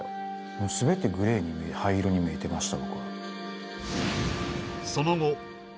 もうすべてグレーに灰色に見えてました